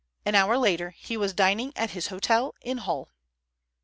An hour later he was dining at his hotel in Hull.